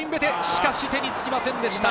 しかし手につきませんでした。